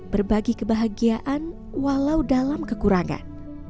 berbagi kebahagiaan walau dalam kekurangan